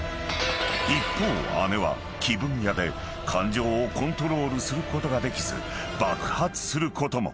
［一方姉は気分屋で感情をコントロールすることができず爆発することも。